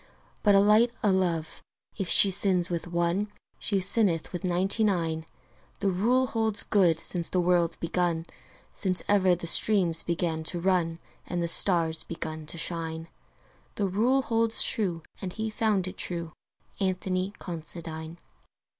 But a light o' love, if she sins with one, She sinneth with ninety nine: The rule holds good since the world begun Since ever the streams began to run And the stars began to shine. The rule holds true, and he found it true Anthony Considine.